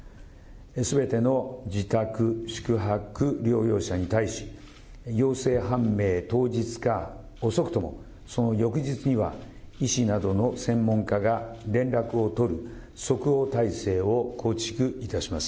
すべての自宅・宿泊療養者に対し、陽性判明当日か、遅くともその翌日には、医師などの専門家が連絡を取る即応体制を構築いたします。